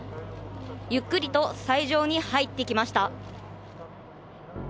ゆっくりと斎場に入ってきました。